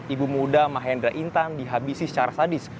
ibu muda mahendra intan dihabisi secara sadis